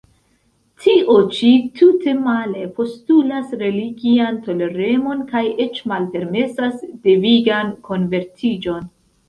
Tio ĉi, tute male, postulas religian toleremon kaj eĉ malpermesas devigan konvertiĝon.